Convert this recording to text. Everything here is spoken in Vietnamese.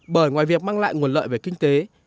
bởi ngoài việc mang lại nguồn lợi về kinh tế